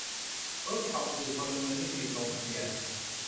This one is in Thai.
เวิร์กช็อป "สื่อพลเมือง" นี่ ปิดลงทะเบียน